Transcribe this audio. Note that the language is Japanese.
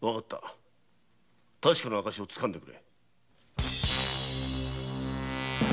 確かな証をつかんでくれ。